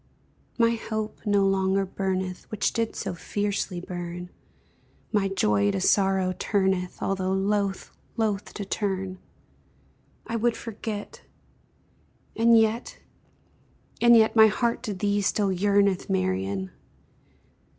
My hope no longer burneth, Which did so fiercely burn, My joy to sorrow turneth, Although loath, loath to turn I would forget And yet and yet My heart to thee still yearneth, Marian!